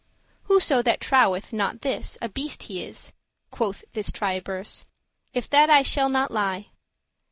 "Whoso that troweth* not this, a beast he is," *believeth Quoth this Tiburce, "if that I shall not lie."